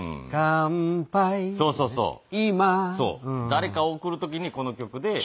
誰かを送る時にこの曲で。